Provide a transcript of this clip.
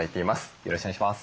よろしくお願いします。